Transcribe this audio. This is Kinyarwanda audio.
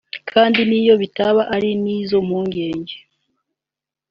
Kandi n’iyo bitaba ari n’izo mpungenge